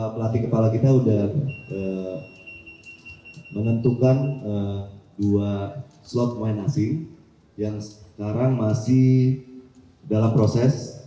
pelatih kepala kita sudah menentukan dua slot pemain asing yang sekarang masih dalam proses